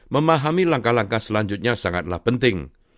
memahami langkah langkah selanjutnya sangatlah penting